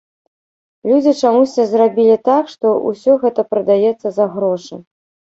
Людзі чамусьці зрабілі так, што ўсё гэта прадаецца за грошы.